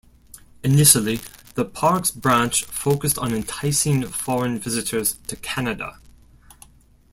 Initially, the Parks Branch focused on enticing foreign visitors to Canada.